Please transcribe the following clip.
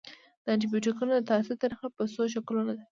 د انټي بیوټیکونو د تاثیر طریقه په څو شکلونو ده.